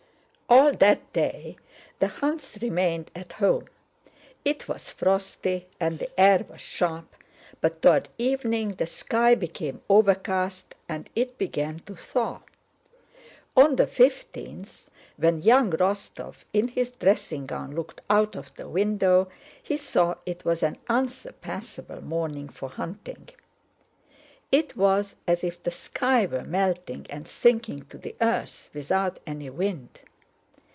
All that day the hounds remained at home. It was frosty and the air was sharp, but toward evening the sky became overcast and it began to thaw. On the fifteenth, when young Rostóv, in his dressing gown, looked out of the window, he saw it was an unsurpassable morning for hunting: it was as if the sky were melting and sinking to the earth without any wind.